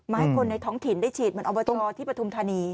ให้คนในท้องถิ่นได้ฉีดเหมือนอบตที่ปฐุมธานี